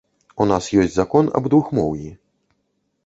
У нас ёсць закон аб двухмоўі.